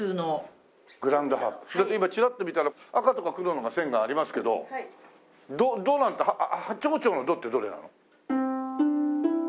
今ちらっと見たら赤とか黒の線がありますけどドドなんてハ長調の「ド」ってどれなの？